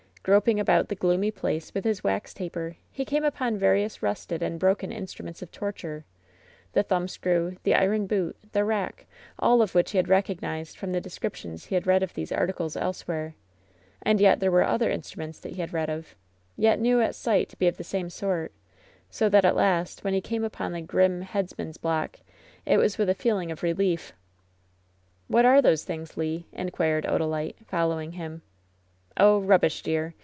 Ghroping about the gloomy place with his wax taper, he came upon LOVE'S BITTEREST CUP 269 various rusted and broken instruments of torture, the thumbscrew, the iron boot, the rack, all of which he reco^ized from the descriptions he had read of these article^ elsewhere; and there were other instruments that he had read of, yet knew at sight to be of the same sort ; so that at last, when he came upon the grim heads man^s block, it was with a feeling of relief. "What are those things, Le V^ inquired Odalite, fol lowing him. "Oh, rubbish, dear.